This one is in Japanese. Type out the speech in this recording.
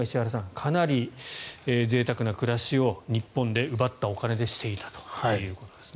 かなりぜいたくな暮らしを日本で奪ったお金でしていたということですね。